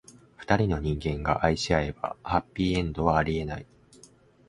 二人の人間が愛し合えば、ハッピーエンドはありえない。